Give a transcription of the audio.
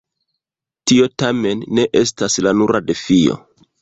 Tio tamen ne estas la nura defio.